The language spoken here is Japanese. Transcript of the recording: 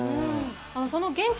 その現地